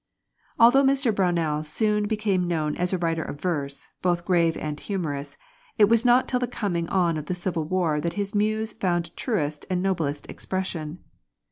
Although Mr. Brownell soon became known as a writer of verse, both grave and humorous, it was not till the coming on of the Civil War that his muse found truest and noblest expression.